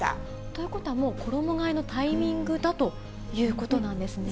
ということは、もう衣がえのタイミングだということなんですね。